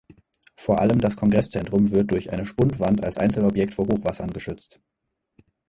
Vor allem das Kongresszentrum wird durch eine Spundwand als Einzelobjekt vor Hochwassern geschützt.